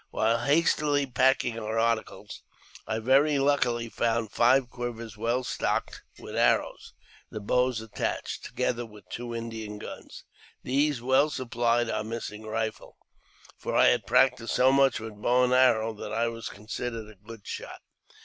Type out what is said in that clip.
While hastily packing our articles, I very luckily found five quivers well stocked with arrows, the bows attached, together with two Indian guns. These well supplied our missing rifle, for I had practised so much with bow and arrow that I was considered a good shot.